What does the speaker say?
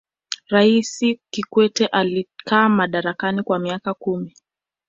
raisi kikwete alikaa madarakani kwa miaka kumi